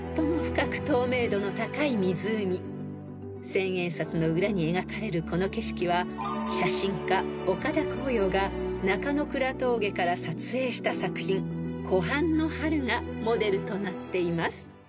［千円札の裏に描かれるこの景色は写真家岡田紅陽が中ノ倉峠から撮影した作品『湖畔の春』がモデルとなっています］